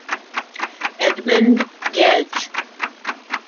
Edmund Gedge.